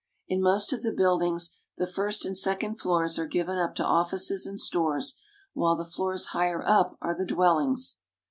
In most of the buildings, the first and second floors are given up to offices and stores, while the floors higher up are the dwellings.